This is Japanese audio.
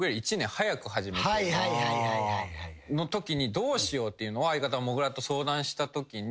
どうしようっていうのを相方もぐらと相談したときに。